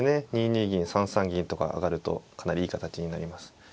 ２二銀３三銀とか上がるとかなりいい形になります。